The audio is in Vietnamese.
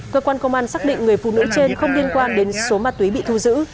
cơ quan công an xác định người phụ nữ trên không liên quan đến số ma túy bị thu giữ